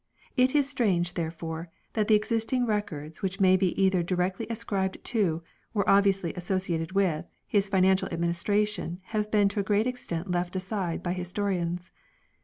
It is strange, therefore, that the existing Records which may be either directly ascribed to, or obviously associated with, his financial administration have been to a great extent left aside by historians.